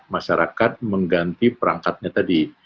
masyarakat mengganti perangkatnya tadi